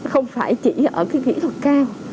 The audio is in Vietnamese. không phải chỉ ở kỹ thuật cao